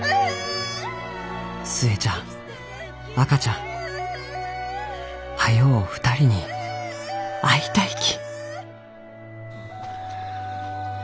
「寿恵ちゃん赤ちゃん早う２人に会いたいき」。